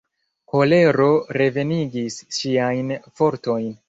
Kolero revenigis ŝiajn fortojn.